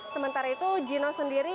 sementara itu jino sendiri